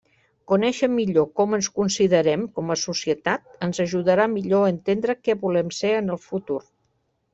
Conéixer millor com ens considerem com a societat ens ajudarà millor a entendre què volem ser en el futur.